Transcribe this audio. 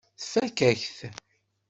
Tfakk-ak-t.